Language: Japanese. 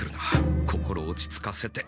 心を落ち着かせて。